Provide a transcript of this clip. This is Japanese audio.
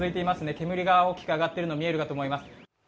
煙が大きく上がっているのが見えるかと思います。